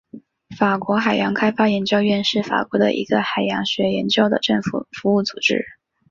法国海洋开发研究院是法国的一个海洋学研究的政府服务组织。